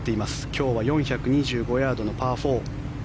今日は４２５ヤードのパー４。